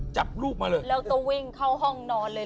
จับลูกมาเลยแล้วก็วิ่งเข้าห้องนอนเลย